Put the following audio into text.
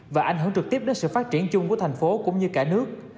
và ảnh hưởng trực tiếp đến sự phát triển chung của thành phố cũng như cả nước